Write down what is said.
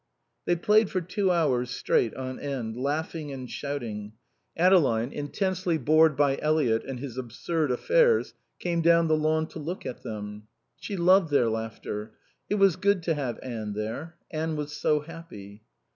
They played for two hours straight on end, laughing and shouting. Adeline, intensely bored by Eliot and his absurd affairs, came down the lawn to look at them. She loved their laughter. It was good to have Anne there. Anne was so happy.